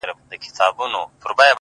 هغه به دروند ساتي چي څوک یې په عزت کوي!